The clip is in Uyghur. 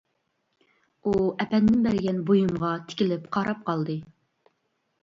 ئۇ ئەپەندىم بەرگەن بۇيۇمغا تىكىلىپ قاراپ قالدى.